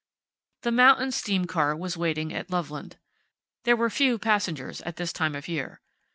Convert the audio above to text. The mountain steam car was waiting at Loveland. There were few passengers at this time of year.